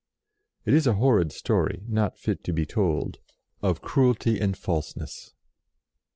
It is a horrid story, not fit to be told, of cruelty and falseness.